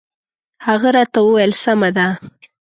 هغه راته وویل سمه ده.